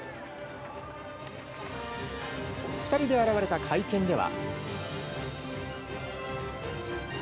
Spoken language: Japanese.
２人で現れた会見では。